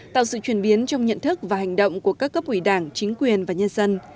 tạo sự chuyển biến trong nhận thức và hành động của các cấp ủy đảng chính quyền và nhân dân